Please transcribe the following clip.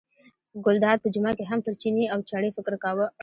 ګلداد په جمعه کې هم پر چیني او چڼي فکر کاوه.